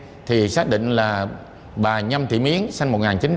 về adn thì xác định là bà nhâm thị mến sinh một nghìn chín trăm năm mươi hai